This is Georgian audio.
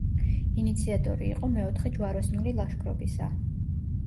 ინიციატორი იყო მეოთხე ჯვაროსნული ლაშქრობისა.